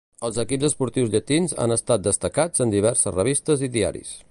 Els equips esportius llatins han estat destacats en diverses revistes i diaris.